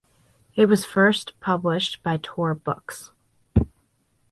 It was first published by Tor Books.